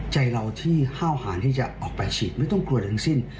ใจเราที่ห้าวหารที่จะออกไปฉีดไม่ต้องกลัวอะไรทั้งสิ้น